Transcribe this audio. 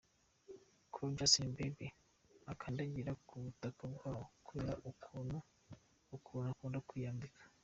ko Justin Bieber akandagira ku butaka bwabo kubera ukuntu akunda kwiyambika.